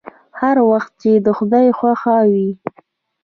هر وخت چې د خداى خوښه وي.